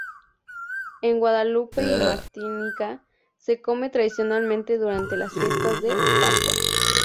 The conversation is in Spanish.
En Guadalupe y Martinica, se come tradicionalmente durante las fiestas de Pascua.